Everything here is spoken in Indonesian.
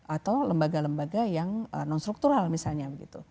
atau lembaga lembaga yang non struktural misalnya